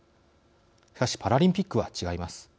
しかしパラリンピックは違います。